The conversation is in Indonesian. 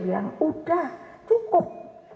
bilang udah cukup